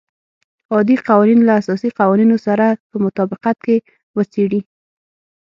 عادي قوانین له اساسي قوانینو سره په مطابقت کې وڅېړي.